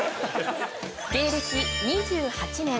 芸歴２８年。